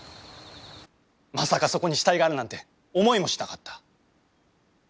まさかそこに死体があるなんて思いもしなかった。